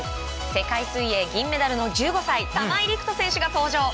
世界水泳銀メダルの１５歳、玉井陸斗選手が登場。